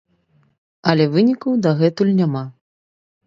Але вынікаў дагэтуль няма.